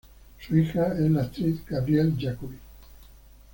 Su hija es la actriz Gabriele Jacoby.